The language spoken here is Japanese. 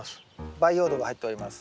培養土が入っております。